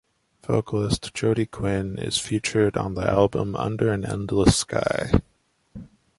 Vocalist Jody Quine is featured on the album "Under An Endless Sky".